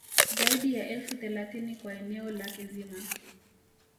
Zaidi ya elfu thelathini kwa eneo lake zima